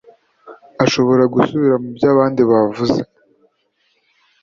ashobora gusubira mu byo abandi bavuze